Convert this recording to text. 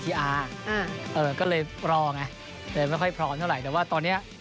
ก็เลยรอไงเลยไม่ค่อยพร้อมเท่าไหร่แต่ว่าตอนเนี้ย